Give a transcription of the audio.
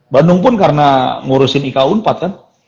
bandung pun karena ngurusin iku empat kan